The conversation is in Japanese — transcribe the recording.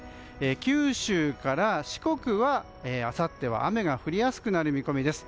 九州から四国は、あさっては雨が降りやすくなる見込みです。